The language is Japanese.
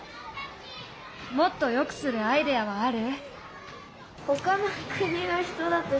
もっとよくするアイデアはある？